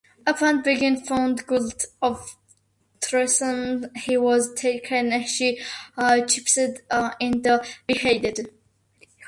Upon being found guilty of treason he was taken to Cheapside and beheaded.